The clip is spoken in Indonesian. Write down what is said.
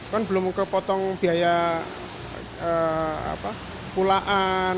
kan belum kepotong biaya pulaan